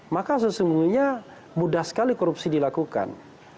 maka sesungguhnya mudah sekali korupsi dilakukan